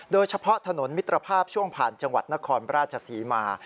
โดยเฉพาะถนนมิตรภาพช่วงผ่านจังหวัดนครราชศรีมา